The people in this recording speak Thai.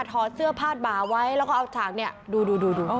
ถอดเสื้อผ้าบาวไว้แล้วก็เอาสากนี่ดู